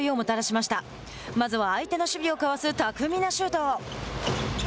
まずは相手の守備をかわす巧みなシュート。